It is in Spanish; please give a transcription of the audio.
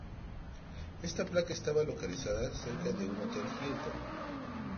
Esta placa estaba localizada cerca de un hotel Hilton.